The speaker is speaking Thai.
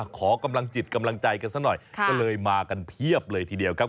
ขอกำลังจิตกำลังใจกันซะหน่อยก็เลยมากันเพียบเลยทีเดียวครับ